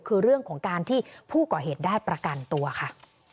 คือเรื่องของการที่ผู้ก่อเหตุได้ประกันตัวค่ะ